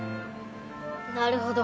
なるほど。